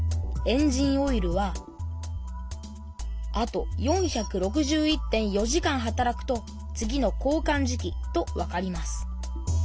エンジンオイルはあと４６１．４時間働くと次の交かん時期とわかります。